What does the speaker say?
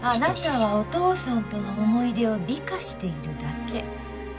あなたはお父さんとの思い出を美化しているだけ。